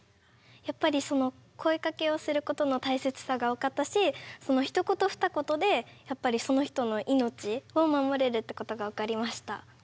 やっぱりその声かけをすることの大切さが分かったしそのひと言ふた言でやっぱりその人の命を守れるってことが分かりました。